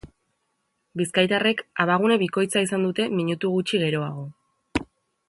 Bizkaitarrek abagune bikoitza izan dute minutu gutxi geroago.